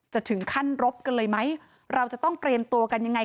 จะถึงขั้นรบกันเลยไหมเราจะต้องเตรียมตัวกันยังไง